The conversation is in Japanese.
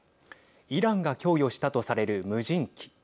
イランが供与したとされる無人機。